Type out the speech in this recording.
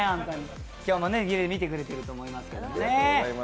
今日もね、家で見てくれていると思いますけどね。